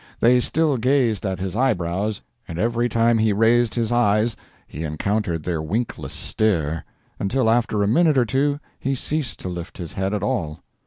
They still gazed at his eyebrows, and every time he raised his eyes he encountered their winkless stare—until after a minute or two he ceased to lift his head at all.